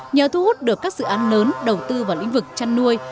nhờ thu hút được các dự án lớn đầu tư vào lĩnh vực chăn nuôi